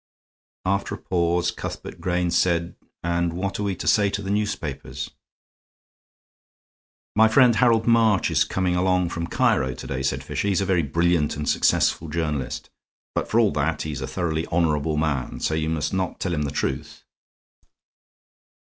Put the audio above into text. After a pause, Cuthbert Grayne said, "And what are we to say to the newspapers?" "My friend, Harold March, is coming along from Cairo to day," said Fisher. "He is a very brilliant and successful journalist. But for all that he's a thoroughly honorable man, so you must not tell him the truth."